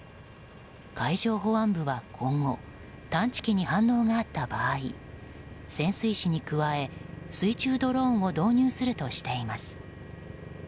海上保安部は今後、探知機に反応があった場合潜水士に加え、水中ドローンを導入するとしています。